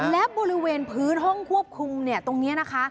และบริเวณพื้นห้องควบคุมตรงนี้นะคะ